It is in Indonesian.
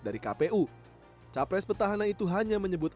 dari kpu capres petahana itu hanya menyebut